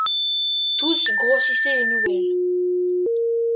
Tous grossissaient les nouvelles.